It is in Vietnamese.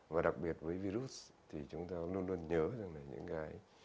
và đặc biệt với virus thì chúng ta luôn luôn nhớ rằng là những cái